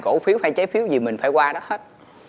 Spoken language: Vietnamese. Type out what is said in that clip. cổ phiếu hay trái phiếu gì mình phải qua đó hết